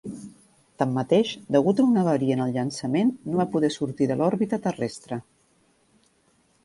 Tanmateix, degut a una avaria en el llançament, no va poder sortir de l'òrbita terrestre.